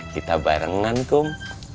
kita barengan kum